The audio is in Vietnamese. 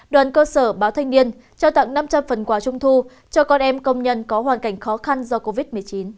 đoàn cơ sở báo thanh niên trao tặng năm trăm linh phần quà trung thu cho con em công nhân có hoàn cảnh khó khăn do covid một mươi chín